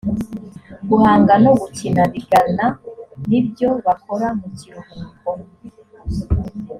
guhanga no gukina bigana nibyo bakora mu kiruhuko